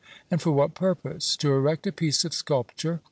And for what purpose? To erect a piece of sculpture.